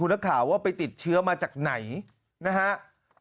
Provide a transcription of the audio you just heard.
นักข่าวว่าไปติดเชื้อมาจากไหนนะครับ